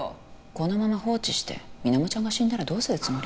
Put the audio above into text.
このまま放置して水面ちゃんが死んだらどうするつもり？